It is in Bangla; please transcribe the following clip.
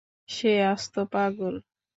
সে আস্ত পাগল!